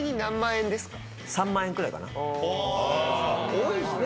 多いっすね